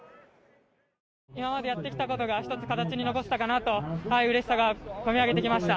今までやってきたことが１つ、形に残せたかなとうれしさが込み上げてきました。